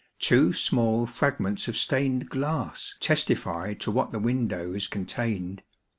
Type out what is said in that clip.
Two small fragments of stained glass testified to what the windows contained.